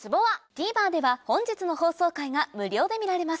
ＴＶｅｒでは本日の放送回が無料で見られます